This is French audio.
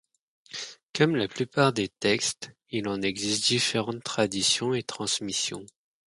Comme la plupart des textes, il en existe différentes traditions et transmissions.